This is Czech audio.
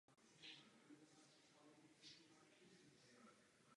Během zimy pak ve svém ateliéru v Torontu podle skic maloval velká plátna.